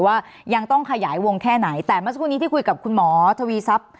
ว่ายังต้องขยายวงแค่ไหนแต่เมื่อสักครู่นี้ที่คุยกับคุณหมอทวีทรัพย์